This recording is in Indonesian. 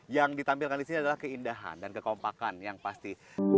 yang ditampilkan di sini adalah keindahan dan kekompakan yang pasti